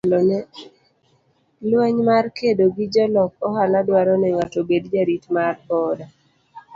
Lweny mar kedo gi jolok ohala dwaro ni ng'ato obed jarit mar boda.